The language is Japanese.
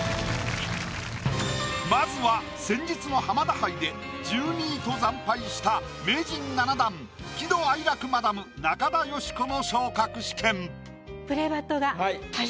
まずは先日の「浜田杯」で１２位と惨敗した名人７段喜怒哀楽マダム中田喜子の昇格試験。